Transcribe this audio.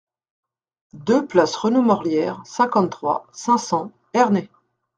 deux place Renault Morlière, cinquante-trois, cinq cents, Ernée